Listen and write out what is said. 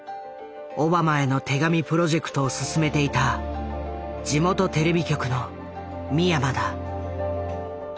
オバマへの手紙プロジェクトを進めていた地元テレビ局の三山だ。